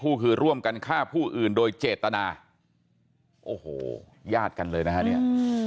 คือร่วมกันฆ่าผู้อื่นโดยเจตนาโอ้โหญาติกันเลยนะฮะเนี่ย